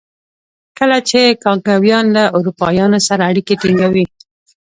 کله چې کانګویان له اروپایانو سره اړیکې ټینګوي.